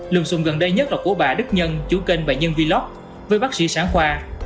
lường xung gần đây nhất là của bà đức nhân chủ kênh và nhân vlog với bác sĩ sáng khoa